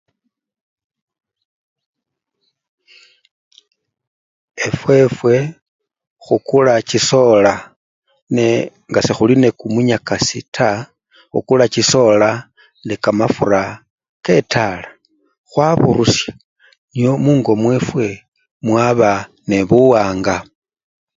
Efwefwe khukula chisoola, nee nga sekhuli ne kumunyakasi taa, khukula chisoola ne kamafura ke tala khwaburusha nyo mungo mwefwe mwaba nebuwanga